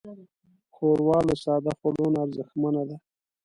ښوروا له ساده خوړو نه ارزښتمنه ده.